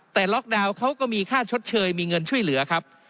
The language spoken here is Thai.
แต่ล็อกดาวน์เขาก็มีค่าชดเชยมีเงินช่วยเหลือครับ